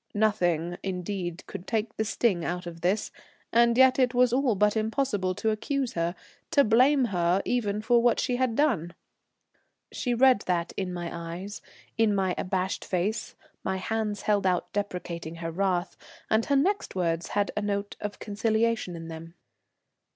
Nothing, indeed, could take the sting out of this, and yet it was all but impossible to accuse her, to blame her even for what she had done. She read that in my eyes, in my abashed face, my hands held out deprecating her wrath, and her next words had a note of conciliation in them.